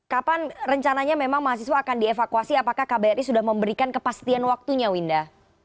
kapan rencananya memang mahasiswa akan dievakuasi apakah kbri sudah memberikan kepastian waktunya winda